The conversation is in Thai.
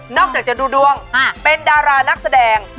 จากจะดูดวงเป็นดารานักแสดง